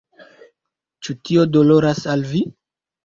Ĉu tio doloras al vi?